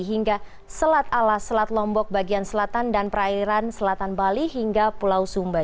hingga selat alas selat lombok bagian selatan dan perairan selatan bali hingga pulau sumba